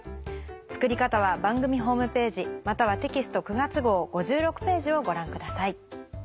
作り方は番組ホームページまたはテキスト９月号５６ページをご覧ください。